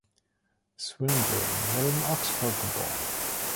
Swinburn wurde in Oxford geboren.